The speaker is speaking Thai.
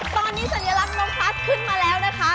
ตอนนี้สัญลักษณ์น้องพัฒน์ขึ้นมาแล้วนะคะ